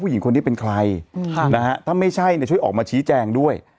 ผู้หญิงคนนี้เป็นใครถ้าไม่ใช่ช่วยออกมาชี้แจงด้วย